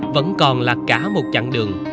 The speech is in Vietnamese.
vẫn còn là cả một chặng đường